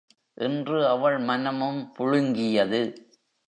என்று அவள் மனமும் புழுங்கியது.